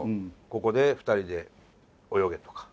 ここで２人で泳げとか。